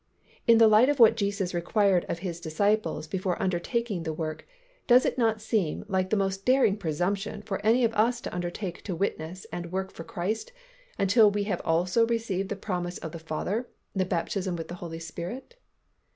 In the light of what Jesus required of His disciples before undertaking the work, does it not seem like the most daring presumption for any of us to undertake to witness and work for Christ until we also have received the promise of the Father, the baptism with the Holy Spirit?